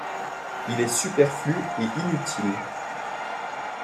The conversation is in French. Il est superflu et inutile.